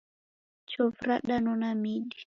Chovu radanona midi